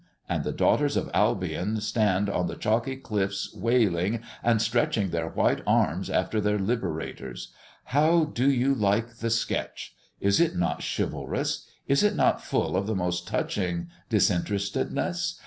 And the daughters of Albion stand on the chalky cliffs wailing, and stretch their white arms after their liberators. How do you like the sketch? Is it not chivalrous? Is it not full of the most touching disinterestedness?